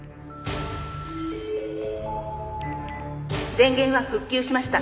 「電源は復旧しました。